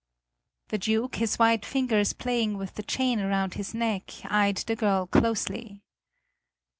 The Duke, his white fingers playing with the chain about his neck, eyed the girl closely.